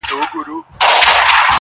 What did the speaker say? زه لرمه ډېر دولت دا هم علم هم آدب دی،